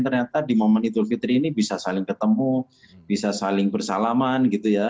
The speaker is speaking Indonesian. ternyata di momen idul fitri ini bisa saling ketemu bisa saling bersalaman gitu ya